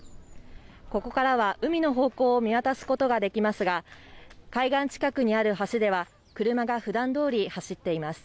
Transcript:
ここからは海の方向を見渡すことができますが、海岸近くにある橋では、車がふだんどおり走っています。